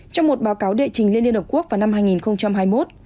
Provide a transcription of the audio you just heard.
trong một báo cáo đệ trình lên liên hợp quốc vào năm hai nghìn hai mươi một